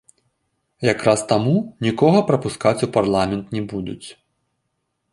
Якраз таму нікога прапускаць у парламент не будуць.